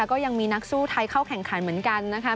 ก็ยังมีนักสู้ไทยเข้าแข่งขันเหมือนกันนะคะ